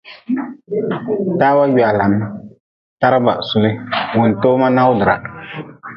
Tawa gwalan, taraba suli, wuntoma nawdra.